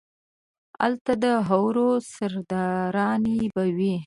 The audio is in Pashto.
الته ده حورو سرداراني به وي